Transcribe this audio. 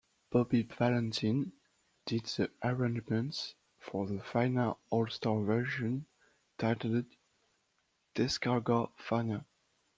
Bobby Valentin did the arrangements for the Fania All Star version titled Descarga Fania.